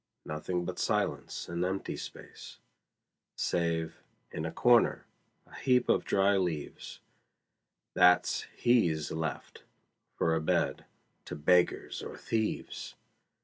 Nothing but silence and empty space; Save, in a corner, a heap of dry leaves, That's he's left, for a bed, to beggars or thieves!